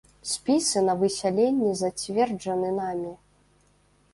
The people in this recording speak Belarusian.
Спісы на высяленне зацверджаны намі.